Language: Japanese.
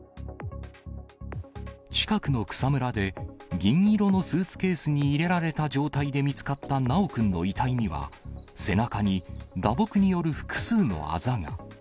近くの草むらで、銀色のスーツケースに入れられた状態で見つかった修くんの遺体には、背中に打撲による複数のあざが。